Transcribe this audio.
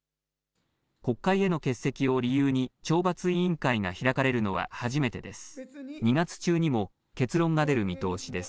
国会への欠席を理由に懲罰委員会が開かれるのは初めてです。